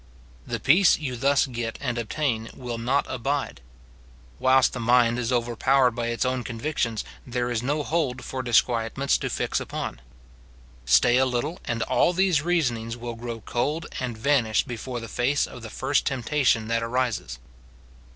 The peace you thus get and obtain will not abide. Whilst the mind is overpowered by its own convictions, * IIos. ix. 9. ^ SIN IN BELIEVERS. 285 there is no hold for disquietments to fix upon. Stay a little, and all these reasonings will grow cold and vanish before the face of the first temptation that arises.